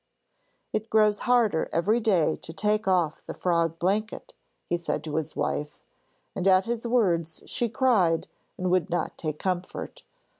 'It grows harder every day to take off the frog blanket,' he said to his wife, and at his words she cried and would not take comfort.